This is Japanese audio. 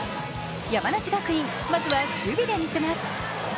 山梨学院、まずは守備で見せます。